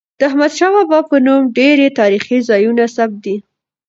د احمدشاه بابا په نوم ډیري تاریخي ځایونه ثبت دي.